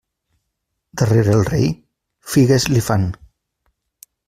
Darrere el rei, figues li fan.